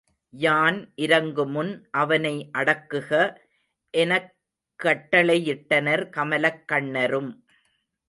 யான் இரங்குமுன் அவனை அடக்குக. எனக் கட்டளை யிட்டனர் கமலக் கண்ணரும்.